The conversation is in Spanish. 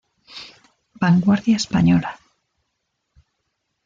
Vanguardia Española.